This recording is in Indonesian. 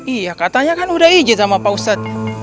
iya katanya kan udah izin sama pak ustadz